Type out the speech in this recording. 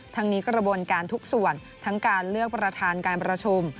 ทั้งนี้กระบวนการทุกส่วนทั้งการเลือกประธานการประชุม